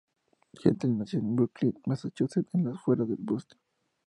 Gentle nació en Brookline, Massachusetts en las afueras de Boston.